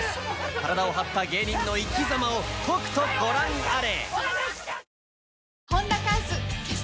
体を張った芸人の生きざまをとくとご覧あれ！